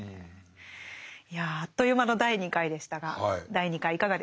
いやあっという間の第２回でしたが第２回いかがでしたか？